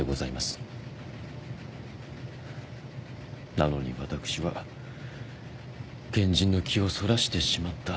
なのに私は賢人の気をそらしてしまった。